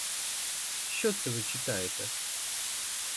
Що це ви читаєте?